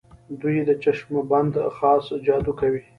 دوی د چشم بندۍ خاص جادو کوي.